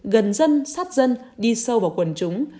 gần dân sát dân đi sâu vào quần chúng